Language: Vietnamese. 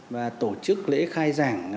và tổ chức lễ khai giảng